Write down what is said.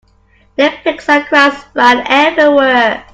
The pigs and cows ran everywhere.